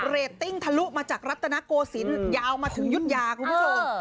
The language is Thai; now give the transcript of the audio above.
เรตติ้งทะลุมาจากรัตนโกศิลป์ยาวมาถึงยุธยาคุณผู้ชม